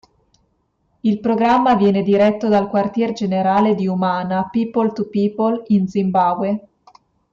Il programma viene diretto dal quartier generale di Humana People to People in Zimbabwe.